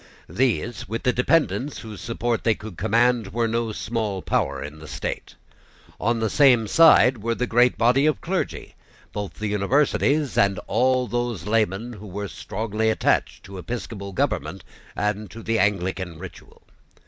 These, with the dependents whose support they could command, were no small power in the state. On the same side were the great body of the clergy, both the Universities, and all those laymen who were strongly attached to episcopal government and to the Anglican ritual.